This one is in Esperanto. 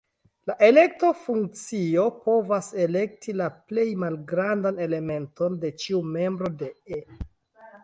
La elekto-funkcio povas elekti la plej malgrandan elementon de ĉiu membro de "E".